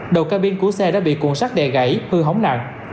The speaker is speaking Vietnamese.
đầu cao biên của xe đã bị cuộn sắt đè gãy hư hóng nặng